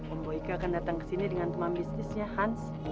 om boyka akan datang kesini dengan teman bisnisnya hans